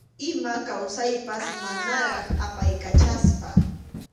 Ima kawsaypas manaraq apaykachasqa.